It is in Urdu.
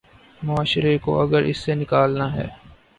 معاشرے کو اگر اس سے نکالنا ہے۔